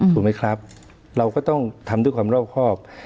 ถูกไหมครับเราก็ต้องทำด้วยความรอบครอบ